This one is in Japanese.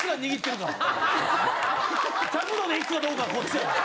１００℃で行くかどうかはこっちや。